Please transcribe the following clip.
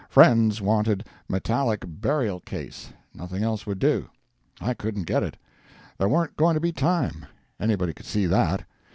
Friends wanted metallic burial case—nothing else would do. I couldn't get it. There warn't going to be time—anybody could see that.